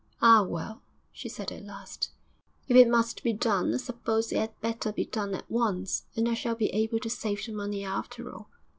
'Ah, well,' she said at last, 'if it must be done, I suppose it 'ad better be done at once; and I shall be able to save the money after all.'